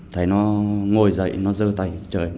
thấy nó ngồi dậy nó dơ tay